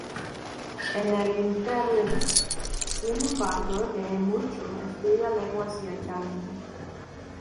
En el ínterin, sin embargo lee mucho, estudia lenguas y el Talmud.